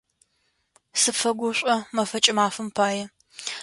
Сыпфэгушӏо мэфэкӏ мафэм пае.